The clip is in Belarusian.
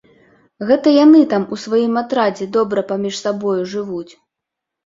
Гэта яны там у сваім атрадзе добра паміж сабою жывуць.